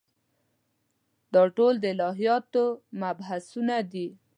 دا ټول د الهیاتو مبحثونه دي.